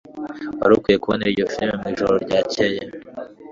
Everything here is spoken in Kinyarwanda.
Wari ukwiye kubona iyo firime mwijoro ryakeye.